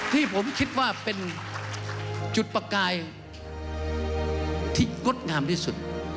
ที่ผมคิดว่าเป็นจุดประกายที่งดงามที่สุด